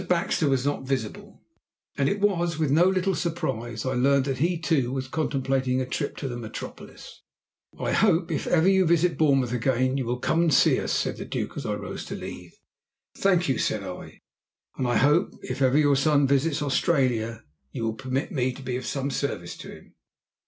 Baxter was not visible, and it was with no little surprise I learned that he, too, was contemplating a trip to the metropolis. "I hope, if ever you visit Bournemouth again, you will come and see us," said the Duke as I rose to leave. "Thank you," said I, "and I hope if ever your son visits Australia you will permit me to be of some service to him."